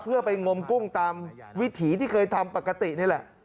เพื่อไปงมกุ้งตามวิถีที่เคยทำปกตินี่แหละ